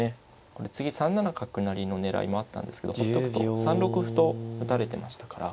これ次３七角成の狙いもあったんですけどほっとくと３六歩と打たれてましたから。